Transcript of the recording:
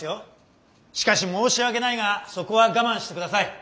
しかし申し訳ないがそこは我慢してください。